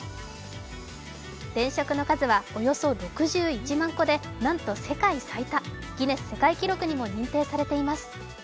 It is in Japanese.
電飾の数はおよそ６１万個でなんと世界最多、ギネス世界記録にも認定されています。